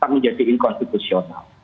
tak menjadi inkonstitusional